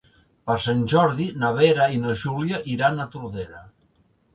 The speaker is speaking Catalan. Per Sant Jordi na Vera i na Júlia iran a Tordera.